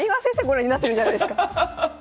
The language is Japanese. ご覧になってるじゃないですか。